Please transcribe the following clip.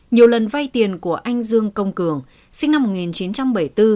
nhiều lần vay tiền của anh dương công cường sinh năm một nghìn chín trăm bảy mươi bốn